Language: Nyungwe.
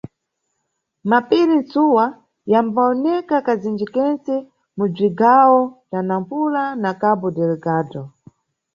Mapiri-ntsuwa yambawoneka kazinji-kentse mʼbzigawo bza Nampula na Cabo Delgado.